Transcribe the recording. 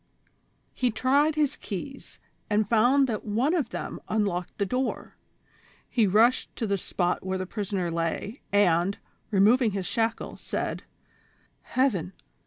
20 230 THE SOCIAL WAR OF 1900; OR, He tried his keys, and found that one of them unlocked the door ; he rushed to the spot where the prisoner lay, and, removing his shackles, said :" Heaven